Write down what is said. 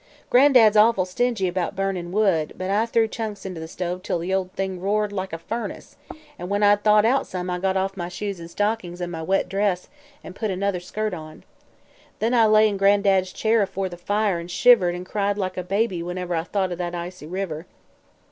"Gran'dad's awful stingy about burnin' wood, but I threw the chunks into the stove till the old thing roared like a furnace an' when I'd thawed out some I got off my shoes an' stockin's an' my wet dress an' put another skirt on. Then I lay in Gran'dad's chair afore the fire an' shivered an' cried like a baby whenever I thought o' that icy river.